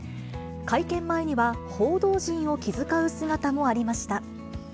会見前には、報道陣を気遣う姿もありました。